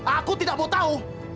aku tidak mau tahu